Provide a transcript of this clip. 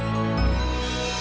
masa dulu din